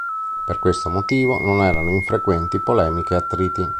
Per questo motivo, non erano infrequenti polemiche e attriti.